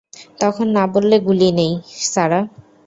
তখন না বললে গুলি নেই, সারা!